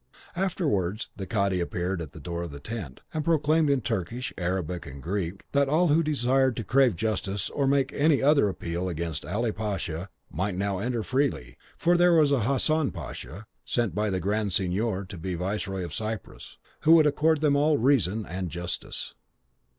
Afterwards the cadi appeared at the door of the tent, and proclaimed in Turkish, Arabic, and Greek, that all who desired to crave justice or make any other appeal against Ali Pasha, might now enter freely, for there was Hassan Pasha, sent by the Grand Signor to be viceroy of Cyprus, who would accord them all reason and justice.